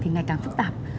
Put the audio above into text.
thì ngày càng phức tạp